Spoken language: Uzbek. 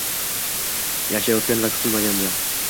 yashayotgan va kutilmaganda